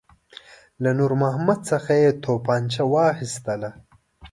له نور محمد څخه یې توپنچه واخیستله.